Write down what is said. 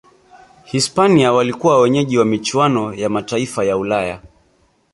hispania walikuwa wenyeji wa michuano ya mataifa ya ulaya